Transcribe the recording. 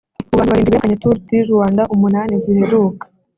Mu bantu barindwi begukanye Tour du Rwanda umunani ziheruka